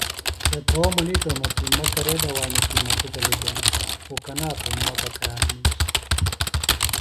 سےۡ پھو منِیتوۡ ہنوۡ کیۡ مہ کرے دوئانوۡ کیۡ مہ توۡ گلیۡ بیم خُو کنا تُھوم بکرال مِیش